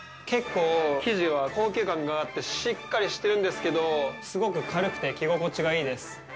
結構、生地は高級感があって、しっかりしてるんですけど、すごく軽くて、着心地がいいです。